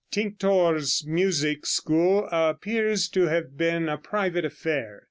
Tinctor's music school appears to have been a private affair.